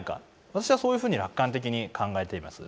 私はそういうふうに楽観的に考えています。